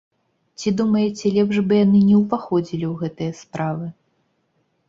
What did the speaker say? Ці думаеце, лепш бы яны не ўваходзілі ў гэтыя справы?